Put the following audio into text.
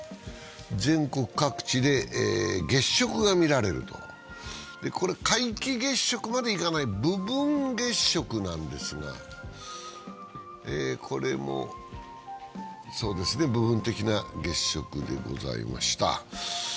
全国各地で月食が見られると、皆既月食までいかない部分月食なんですが、これもそうですね、部分的な月食でございました。